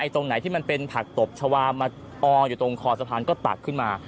ตรงไหนที่มันเป็นผักตบชาวามาอออยู่ตรงคอสะพานก็ตักขึ้นมา